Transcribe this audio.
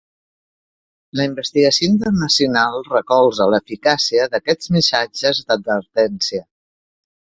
La investigació internacional recolza l'eficàcia d'aquests missatges d'advertència.